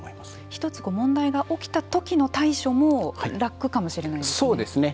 １つ問題が起きた時の対処も楽かもしれないですね。